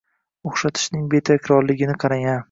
O`xshatishning betakrorligini qarang-a